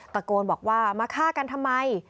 ตะโกนบอกว่ามาฆ่ากันทำไม